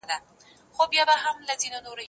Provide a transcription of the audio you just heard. زه به سبا شګه پاکوم،